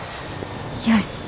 よし。